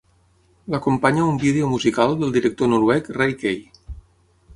L'acompanya un vídeo musical del director noruec Ray Kay.